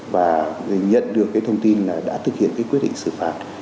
và nhận được cái thông tin là đã thực hiện cái quyết định xử phạt